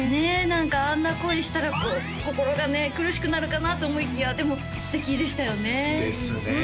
何かあんな恋したらこう心がね苦しくなるかなと思いきやでも素敵でしたよねですね